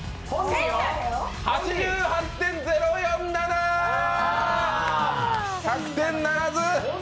８８．０４７、１００点ならず。